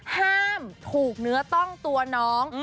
ห้ามถูกเนื้อต้องตัวน้อง